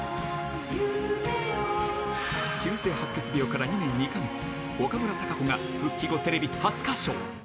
急性白血病から２年２か月、岡村孝子が復帰後テレビ初歌唱。